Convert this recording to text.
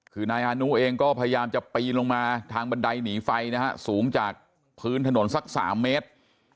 คือนายอานุเองก็พยายามจะปีนลงมาทางบันไดหนีไฟนะฮะสูงจากพื้นถนนสัก๓เมตร